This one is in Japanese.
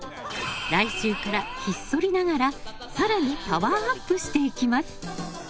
来週からひっそりながら更にパワーアップしていきます。